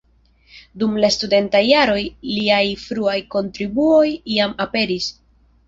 Dum la studentaj jaroj liaj fruaj kontribuoj jam aperis.